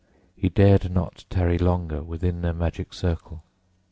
He dared not tarry longer within their magic circle.